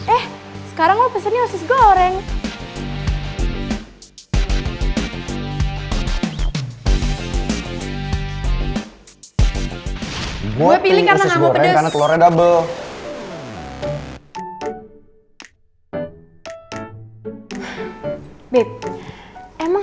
eh sekarang lo pesennya usus goreng